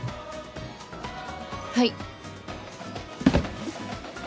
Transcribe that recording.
はい。